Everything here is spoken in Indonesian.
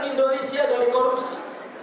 indonesia dari korupsi